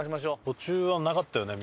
途中はなかったよね？